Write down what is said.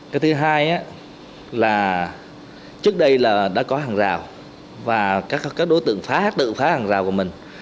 cái thứ hai là trước đây là đã có hàng rào và các đối tượng phá tự phá hàng rào của mình